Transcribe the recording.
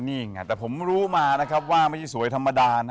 นี่ไงแต่ผมรู้มานะครับว่าไม่ใช่สวยธรรมดานะ